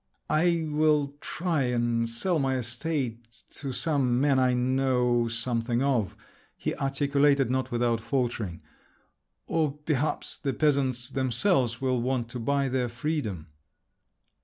"I will try and sell my estate to some man I know something of," he articulated, not without faltering, "or perhaps the peasants themselves will want to buy their freedom."